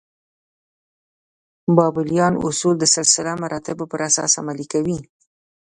بابلیان اصول د سلسله مراتبو پر اساس عملي کول.